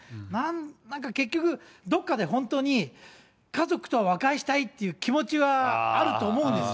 なんか結局、どっかで本当に、家族とは和解したいっていう気持ちはあると思うんですよ。